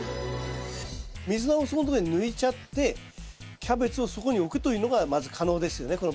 ミズナをそこんところで抜いちゃってキャベツをそこに置くというのがまず可能ですよね